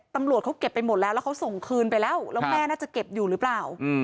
ตำรวจเขาเก็บไปหมดแล้วแล้วเขาส่งคืนไปแล้วแล้วแม่น่าจะเก็บอยู่หรือเปล่า